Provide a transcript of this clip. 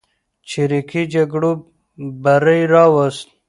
چریکي جګړو بری راوست.